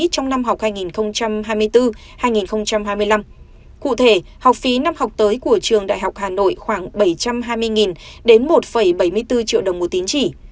trong năm học hai nghìn hai mươi bốn hai nghìn hai mươi năm cụ thể học phí năm học tới của trường đại học hà nội khoảng bảy trăm hai mươi đến một bảy mươi bốn triệu đồng một tín chỉ